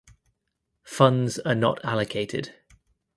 Funds are not allocated.